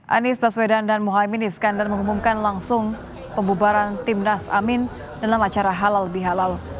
anies baswedan dan muhaymin iskandar mengumumkan langsung pembubaran timnas amin dalam acara halal bihalal